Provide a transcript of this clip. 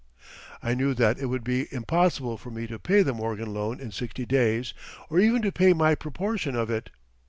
I knew that it would be impossible for me to pay the Morgan loan in sixty days, or even to pay my proportion of it.